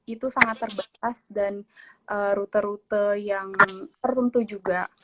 itu sangat terbatas dan rute rute yang tertentu juga